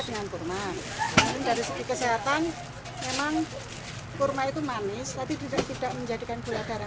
dengan kurma dari segi kesehatan memang kurma itu manis tapi tidak tidak menjadikan gula darah